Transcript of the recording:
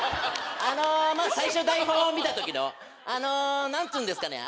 あのまぁ最初台本を見た時のあの何つうんですかね